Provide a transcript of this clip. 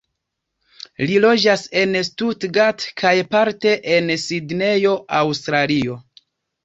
Li loĝas en Stuttgart kaj parte en Sidnejo, Aŭstralio.